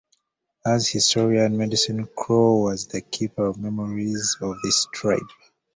As historian, Medicine Crow was the "keeper of memories" of his tribe.